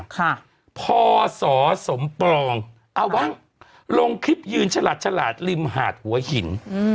ค่ะพศสมปองเอาบ้างลงคลิปยืนฉลาดฉลาดริมหาดหัวหินอืม